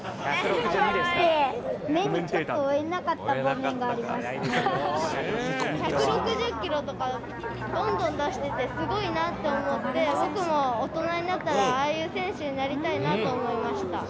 速くて、目でちょっと追えなかった場面が１６０キロとか、どんどん出してて、すごいなって思って、僕も大人になったら、ああいう選手になりたいなと思いました。